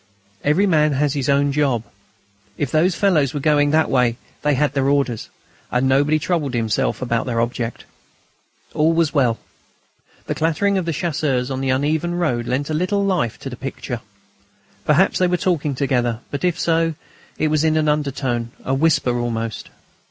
Every man has his own job; if those fellows were going that way they had their orders, and nobody troubled himself about their object. All was well. The clattering of the Chasseurs on the uneven road lent a little life to the picture. Perhaps they were talking together; but, if so, it was in an undertone, a whisper almost.